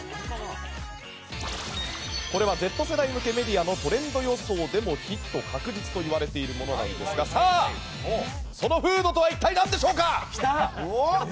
これはＺ世代向けメディアのトレンド予想でもヒット確実と言われているものなんですがさあ、そのフードとは一体何でしょうか？